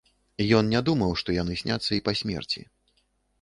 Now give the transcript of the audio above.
Ён не думаў, што яны сняцца і па смерці.